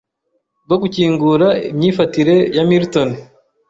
rwo gukingura imyifatire ya Milton